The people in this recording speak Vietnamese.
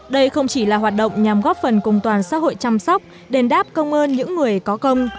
đây không chỉ là hoạt động nhằm góp phần cùng toàn xã hội chăm sóc đền đáp công ơn những người có công